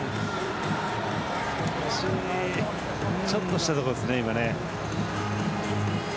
ちょっとしたところですね、今ね。